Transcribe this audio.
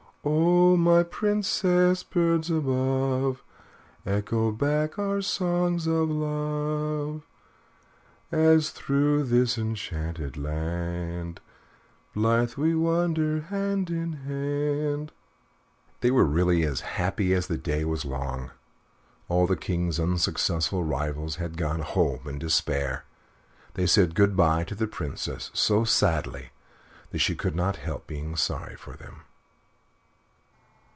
Oh! my Princess, birds above Echo back our songs of love, As through this enchanted land Blithe we wander, hand in hand. They really were as happy as the day was long. All the King's unsuccessful rivals had gone home in despair. They said good by to the Princess so sadly that she could not help being sorry for them.